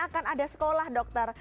akan ada sekolah dokter